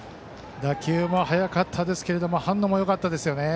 打球も速かったですけど反応もよかったですよね。